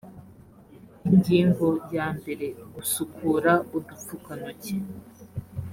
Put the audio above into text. ingingo ya mbere gusukura udupfukantoki